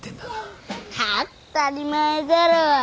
当ったり前だろ。